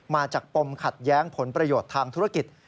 ปมขัดแย้งผลประโยชน์ทางธุรกิจ